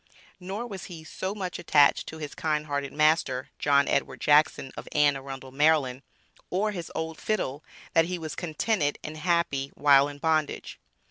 Nor was he so much attached to his "kind hearted master," John Edward Jackson, of Anne Arundel, Md., or his old fiddle, that he was contented and happy while in bondage.